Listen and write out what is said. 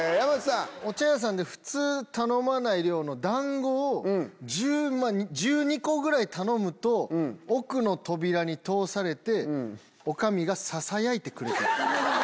お茶屋さんで普通頼まない量の団子を１２個ぐらい頼むと奥の扉に通されて女将がささやいてくれた。